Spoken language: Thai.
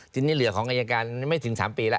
ทีนี้เหลือของอายการไม่ถึง๓ปีแล้ว